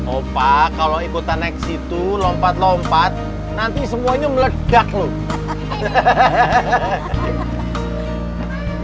opa kalau ikutan naik situ lompat lompat nanti semuanya meledak loh